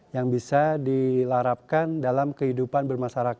jangan lupa daar